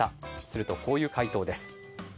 すると、こういう回答です。